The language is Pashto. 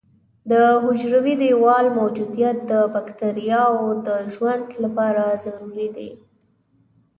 د حجروي دیوال موجودیت د بکټریاوو د ژوند لپاره ضروري دی.